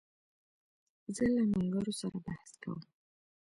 زه له ملګرو سره بحث کوم.